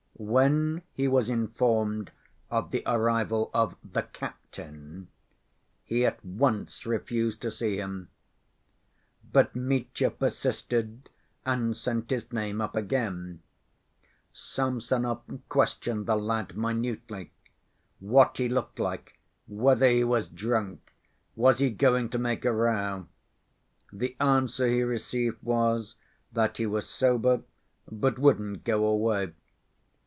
When he was informed of the arrival of the "captain," he at once refused to see him. But Mitya persisted and sent his name up again. Samsonov questioned the lad minutely: What he looked like? Whether he was drunk? Was he going to make a row? The answer he received was: that he was sober, but wouldn't go away.